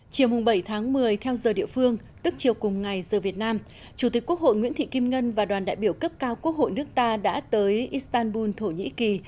chiều bảy tháng một mươi theo giờ địa phương tức chiều cùng ngày giờ việt nam chủ tịch quốc hội nguyễn thị kim ngân và đoàn đại biểu cấp cao quốc hội nước ta đã tới istanbul thổ nhĩ kỳ